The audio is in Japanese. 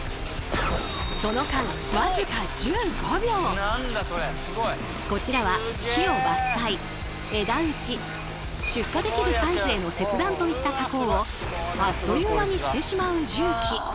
その間こちらは木を伐採枝打ち出荷できるサイズへの切断といった加工をあっという間にしてしまう重機。